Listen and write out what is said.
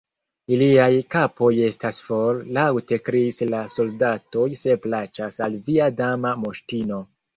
"Iliaj kapoj estas for " laŭte kriis la soldatoj "se plaĉas al via Dama Moŝtino."